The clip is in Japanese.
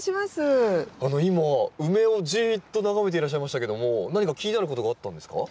今ウメをじっと眺めていらっしゃいましたけども何か気になることがあったんですか？